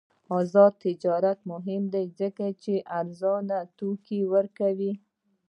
آزاد تجارت مهم دی ځکه چې ارزان توکي ورکوي.